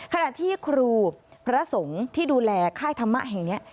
ขณะที่ครูพระสงฆ์ที่ดูแลค่ายธรรมะแห่งนี้